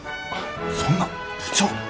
そんな部長。